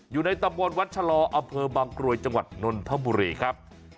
อยู่ในตำบลวัดชะลออำเภอบางกรวยจังหวัดนนทบุรีครับ